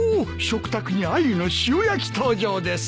食卓にアユの塩焼き登場です。